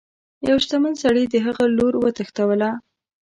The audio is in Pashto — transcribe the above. یوه شتمن سړي د هغه لور وتښتوله.